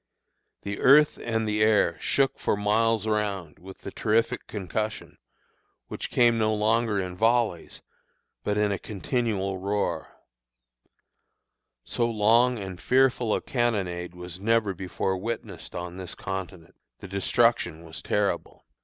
The earth and the air shook for miles around with the terrific concussion, which came no longer in volleys, but in a continual roar. So long and fearful a cannonade was never before witnessed on this continent. As the range was short and the aim accurate, the destruction was terrible.